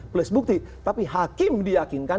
plus bukti tapi hakim diyakinkan